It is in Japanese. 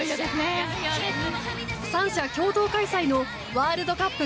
３社共同開催のワールドカップ